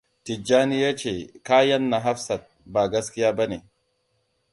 Tijjani ya ce kayan na Hafsat ba gaskiya ba ne.